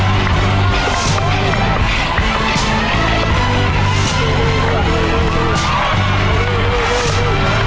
น้ำแดงแล้วนมลูกเอานมลาด